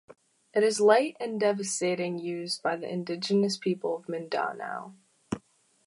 It is light and devastating used by the indigenous people of Mindanao.